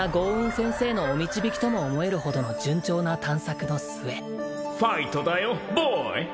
先生のお導きとも思えるほどの順調な探索の末ファイトだよボーイ